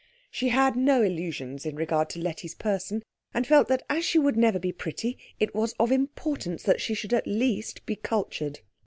She had no illusions in regard to Letty's person, and felt that as she would never be pretty it was of importance that she should at least be cultured.